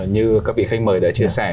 như các vị khách mời đã chia sẻ